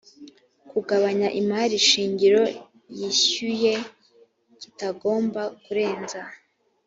kugabanya imari shingiro yishyuye kitagomba kurenza